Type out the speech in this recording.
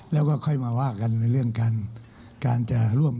แล้วก็ค่อยมาว่ากันในเรื่องการจะร่วม